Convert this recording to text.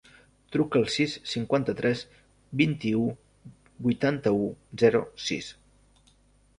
Truca al sis, cinquanta-tres, vint-i-u, vuitanta-u, zero, sis.